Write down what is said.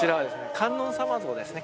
観音様像ですね